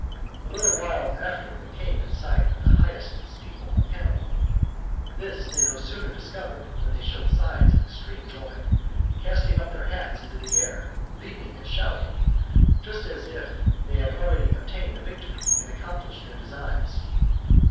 A little while after they came in sight of the highest steeple of Panama: this they no sooner discovered but they showed signs of extreme joy, casting up their hats into the air, leaping and shouting, just as if they had already obtained the victory, and accomplished their designs.